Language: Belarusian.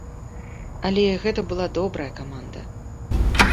Але гэта была добрая каманда.